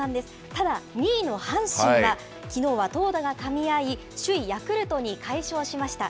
ただ、２位の阪神はきのうは投打がかみ合い、首位ヤクルトに快勝しました。